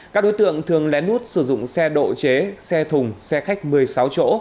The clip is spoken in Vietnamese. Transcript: các đối tượng thường lén lút sử dụng xe độ chế xe thùng xe khách một mươi sáu chỗ